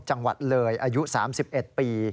จังหวัดเลยอายุ๓๑ปี